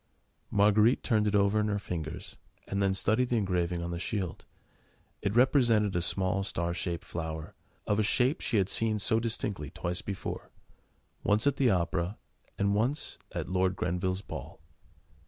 Marguerite turned it over in her fingers, and then studied the engraving on the shield. It represented a small star shaped flower, of a shape she had seen so distinctly twice before: once at the opera, and once at Lord Grenville's ball.